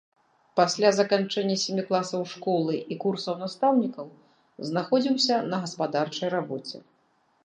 Пасля заканчэння сямі класаў школы і курсаў настаўнікаў знаходзіўся на гаспадарчай рабоце.